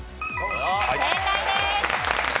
正解です。